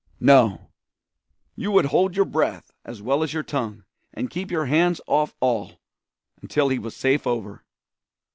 "No; you would hold your breath as well as your tongue, and keep your hands off all, until he was safe over.